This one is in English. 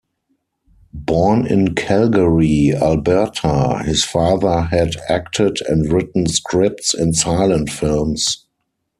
Born in Calgary, Alberta, his father had acted and written scripts in silent films.